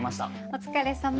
お疲れさま。